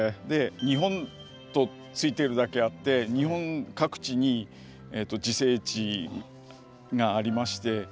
「ニホン」と付いているだけあって日本各地に自生地がありまして。